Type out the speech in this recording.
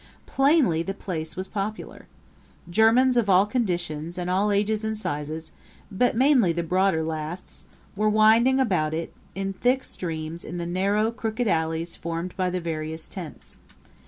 Plainly the place was popular. Germans of all conditions and all ages and all sizes but mainly the broader lasts were winding about in thick streams in the narrow, crooked alleys formed by the various tents.